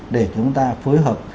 để chúng ta phối hợp